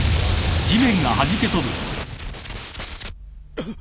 あっ！